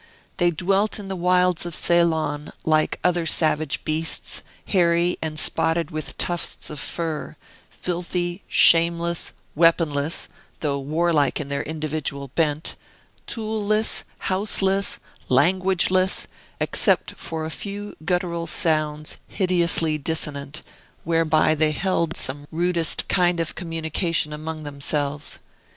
They dwelt in the wilds of Ceylon, like other savage beasts, hairy, and spotted with tufts of fur, filthy, shameless, weaponless (though warlike in their individual bent), tool less, houseless, language less, except for a few guttural sounds, hideously dissonant, whereby they held some rudest kind of communication among themselves.